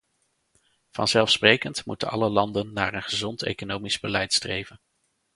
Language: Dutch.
Vanzelfsprekend moeten alle landen naar een gezond economisch beleid streven.